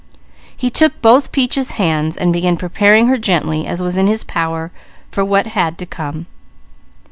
He took both Peaches' hands, and began preparing her gently as was in his power for what had to come.